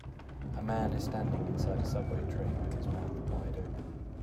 A man is standing inside a subway train with his mouth wide open.